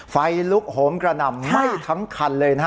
ไฟลุกโหมกระหน่ำไหม้ทั้งคันเลยนะฮะ